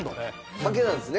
竹なんですね